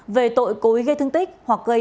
về tội cố ý gây thương tích hoặc gây